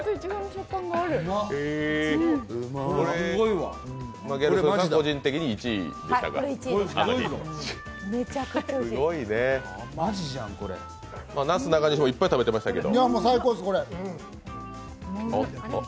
なすなかにしもいっぱい食べてましたけど。